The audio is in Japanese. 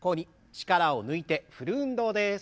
力を抜いて振る運動です。